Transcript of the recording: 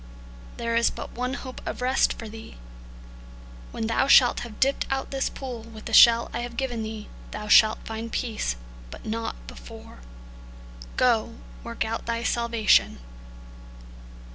There is but one hope of rest for thee. When thou shalt have dipped out this pool with the shell I have given thee, thou shalt find peace, but not before. Go, work out thy salvation."